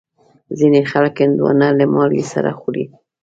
ځینې خلک هندوانه له مالګې سره خوري.